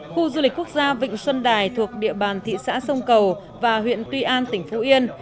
khu du lịch quốc gia vịnh xuân đài thuộc địa bàn thị xã sông cầu và huyện tuy an tỉnh phú yên